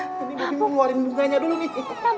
ini bobby mau ngeluarin bunganya dulu nih